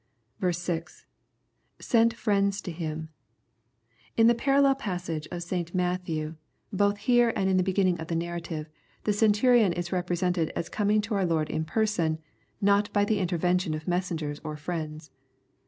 6. — [Sent friends to him] In the parallel passage in St Matthew ]^0> EXPOSITORY THOUGHTS. boiit here and in the beginning of the narrative, the Centurion is repiisented as coming to our Lord in person, and not by the Liter venlion of messengers or friends.